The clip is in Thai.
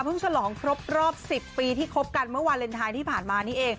ฉลองครบรอบ๑๐ปีที่คบกันเมื่อวาเลนไทยที่ผ่านมานี่เอง